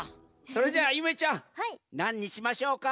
それじゃあゆめちゃんなんにしましょうか？